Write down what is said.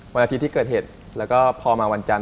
วันอาทิตย์ที่เกิดเหตุแล้วก็พอมาวันจันท